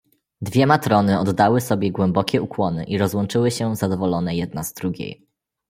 "Dwie matrony oddały sobie głębokie ukłony i rozłączyły się zadowolone jedna z drugiej."